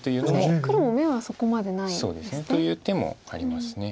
確かに黒も眼はそこまでないんですね。という手もあります。